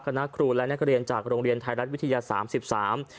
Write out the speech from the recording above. คณะครูและนักเรียนจากโรงเรียนไทยรัฐวิทยา๓๓